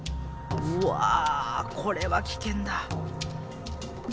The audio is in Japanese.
うわこれは危険だ。